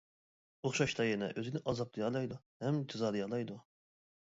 ئوخشاشلا يەنە ئۆزىنى ئازابلىيالايدۇ ھەم جازالىيالايدۇ.